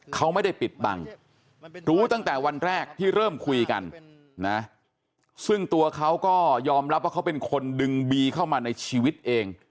เขาไม่ได้ปิดบังรู้ตั้งแต่วันแรกที่เริ่มคุยกันนะซึ่งตัวเขาก็ยอมรับว่าเขาเป็นคนดึงบีเข้ามาในชีวิตเอง